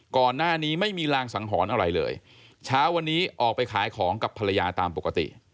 ก่อนหน้านี้ไม่มีรางสังหรณ์อะไรเลยเช้าวันนี้ออกไปขายของกับภรรยาตามปกติ